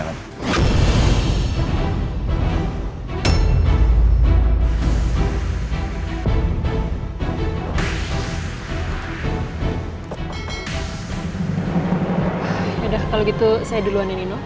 yaudah kalau gitu saya duluan ya nino